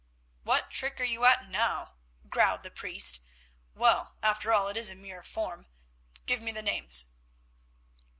"What trick are you at now?" growled the priest. "Well, after all it is a mere form. Give me the names."